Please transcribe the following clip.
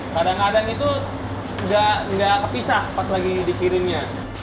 kadang kadang itu nggak kepisah pas lagi dikirimnya